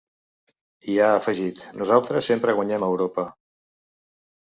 I ha afegit: “Nosaltres sempre guanyem a Europa”.